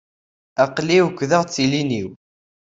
Aql-i wekkdeɣ-d tilin-iw.